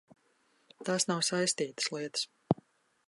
Tās nav saistītas lietas.